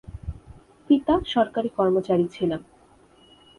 পিতা সরকারি কর্মচারী ছিলেন।